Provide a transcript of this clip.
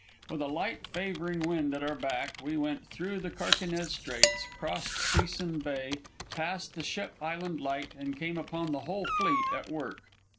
With a light favoring wind at our back we went through the Carquinez Straits, crossed Suisun Bay, passed the Ship Island Light, and came upon the whole fleet at work.